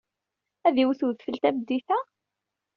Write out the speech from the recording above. Ad d-iwet wedfel tameddit-a?